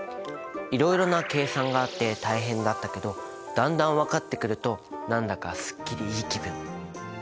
いろいろな計算があって大変だったけどだんだん分かってくると何だかすっきりいい気分！